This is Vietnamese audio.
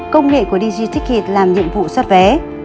công nghệ của dg ticket làm nhiệm vụ soát vé